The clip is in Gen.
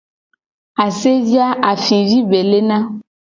Asevi a afivi be lena.